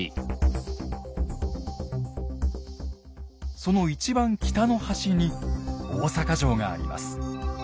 その一番北の端に大坂城があります。